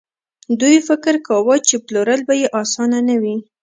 دوی فکر کاوه چې پلورل به يې اسانه نه وي.